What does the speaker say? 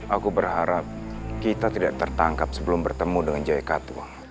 aku berharap kita tidak tertangkap sebelum bertemu dengan jaya katua